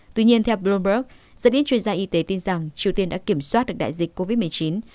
tuy nhiên theo bloomberg rất ít chuyên gia y tế tin rằng triều tiên đã kiểm soát được đại dịch covid một mươi chín